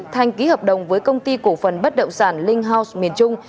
thành ký hợp đồng với công ty cổ phần bất động sản link house miền trung